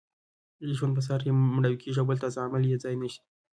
د ژوند په سهار کې مړاوې کیږي او بل تازه عامل یې ځای نیسي.